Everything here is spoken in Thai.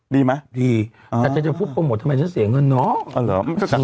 ดีแต่จะปมดทำไมฉันเสียเงินเนาะ